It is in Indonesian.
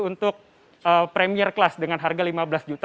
untuk premier kelas dengan harga rp lima belas